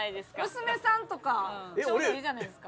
娘さんとかちょうどいいじゃないですか。